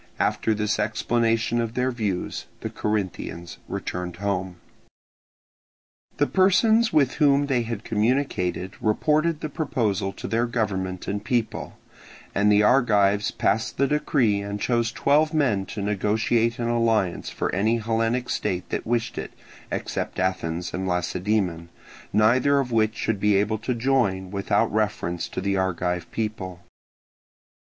After this explanation of their views, the Corinthians returned home. The persons with whom they had communicated reported the proposal to their government and people, and the Argives passed the decree and chose twelve men to negotiate an alliance for any Hellenic state that wished it, except Athens and Lacedaemon, neither of which should be able to join without reference to the Argive people.